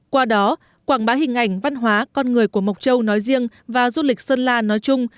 qua đó quảng bá hình ảnh văn hóa con người của mộc châu nói riêng và du lịch sơn la nói chung